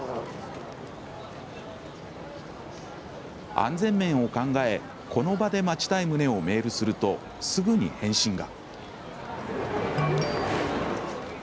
安全面を考え、この場で待ちたい旨をメールするとすぐに返信が。